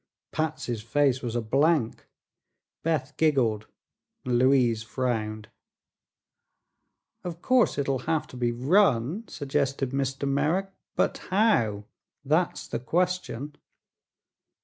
Patsy's face was a blank. Beth giggled and Louise frowned. "Of course it'll have to be run," suggested Mr. Merrick; "but how? That's the question."